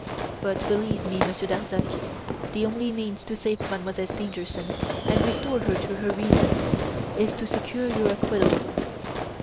But, believe me, Monsieur Darzac, the only means to save Mademoiselle Stangerson and restore her to her reason, is to secure your acquittal."